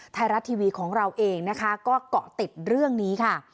ไทยรัฐทีวีของเราเองนะคะก็เกาะติดเรื่องนี้ค่ะ